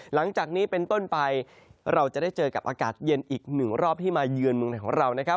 หลังจากนี้เป็นต้นไปเราจะได้เจอกับอากาศเย็นอีกหนึ่งรอบที่มาเยือนเมืองไทยของเรานะครับ